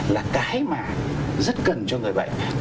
là cái mà rất cần cho người bệnh